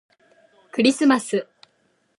クリスマス